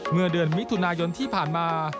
เมื่อเดือนมิถุนายนที่ผ่านมา